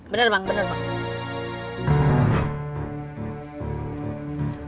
bener bang bener bang